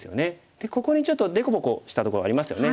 でここにちょっと凸凹したところありますよね。